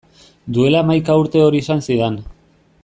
Duela hamaika urte hori esan zidan.